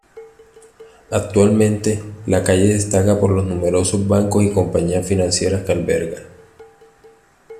Actualmente, la calle destaca por los numerosos bancos y compañías financieras que alberga.